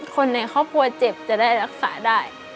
คนในครอบครัวเจ็บจะได้รักษาได้